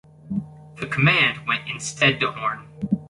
The command went instead to Horne.